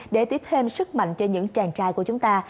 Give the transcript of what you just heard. để tiếp thêm sức mạnh cho những chàng trai của chúng ta